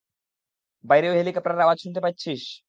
বাইরে ওই হেলিকপ্টারের আওয়াজ শুনতে পাচ্ছিস?